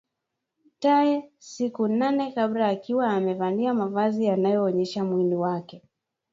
Tayc siku nane kabla akiwa amevalia mavazi yanayoonyesha mwili wake